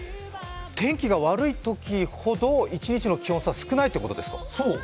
天気が悪いときほど一日の気温差が少ないということですか？